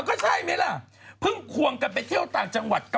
ก็ใช่ไหมล่ะเพิ่งควงกันไปเที่ยวต่างจังหวัดกัน